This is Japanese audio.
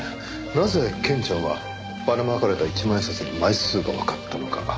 なぜケンちゃんはばらまかれた一万円札の枚数がわかったのか。